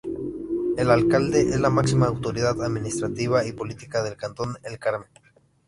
El Alcalde es la máxima autoridad administrativa y política del Cantón El Carmen.